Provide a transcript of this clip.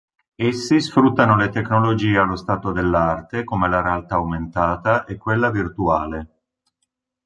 Essi sfruttano le tecnologie allo stato dell'arte come la realtà aumentata e quella virtuale.